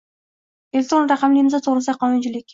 Elektron raqamli imzo to‘g‘risidagi qonunchilik